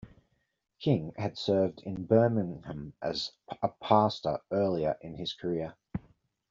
King had served in Birmingham as a pastor earlier in his career.